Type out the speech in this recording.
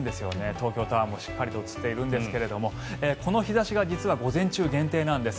東京タワーもしっかり映っていますがこの日差しが実は午前中限定なんです。